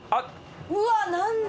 うわ何だ？